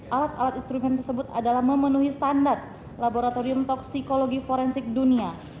alat alat instrumen tersebut adalah memenuhi standar laboratorium toksikologi forensik dunia